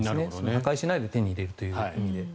破壊しないで手に入れるという意味で。